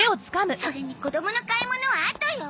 それに子供の買い物はあとよ。